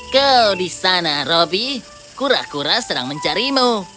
kau di sana roby kura kura sedang mencarimu